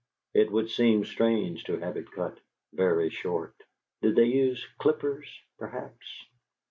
It would seem strange to have it cut very short.... Did they use clippers, perhaps?